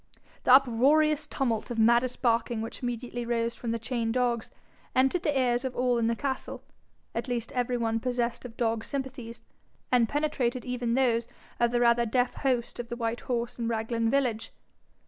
The uproariest tumult of maddest barking which immediately arose from the chained dogs, entered the ears of all in the castle, at least every one possessed of dog sympathies, and penetrated even those of the rather deaf host of the White Horse in Raglan village.